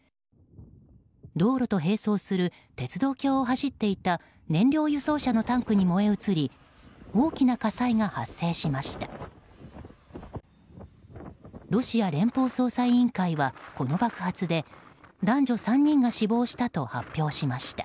道路と並走する鉄道橋を走っていた燃料輸送車のタンクに燃え移り大きな火災が発生しました。